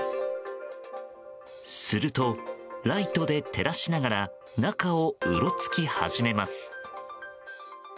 すると、ライトで照らしながら中をうろつき始めます。